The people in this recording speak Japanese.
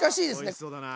おいしそうだな。